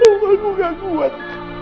ya allah aku gak kuat